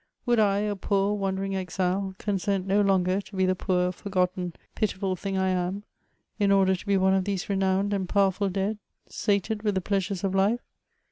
Would I, a poor, wandering exile, con sent no longer to be the poor, forgotten, pitiful thing I am, in order to be one of these renowned and powerful dead, sated with the pleasures of life